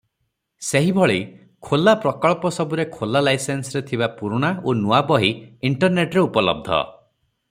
ସେହିଭଳି ଖୋଲା ପ୍ରକଳ୍ପସବୁରେ ଖୋଲା-ଲାଇସେନ୍ସରେ ଥିବା ପୁରୁଣା ଓ ନୂଆ ବହି ଇଣ୍ଟରନେଟରେ ଉପଲବ୍ଧ ।